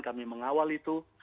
kami mengawal itu